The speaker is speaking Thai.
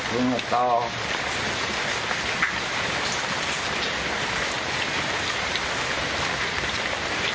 พร้อมทุกสิทธิ์